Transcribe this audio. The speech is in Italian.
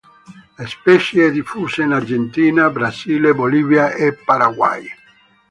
La specie è diffusa in Argentina, Brasile, Bolivia e Paraguay.